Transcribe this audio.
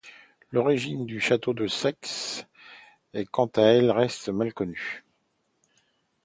L'origine du château du Saix quant à elle reste mal connue.